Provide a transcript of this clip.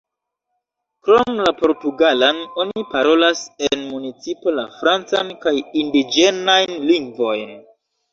Krom la portugalan, oni parolas en municipo la francan kaj indiĝenajn lingvojn.